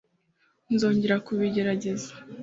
nzongera kubigerageza